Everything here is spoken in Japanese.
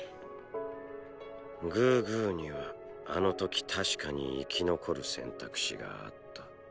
グーグーにはあの時確かに生き残る選択肢があった。